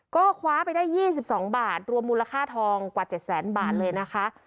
ก็คว้าไปได้๒๒บาทรวมมูลค่าทองกว่า๗แสนบาทเลยนะคะ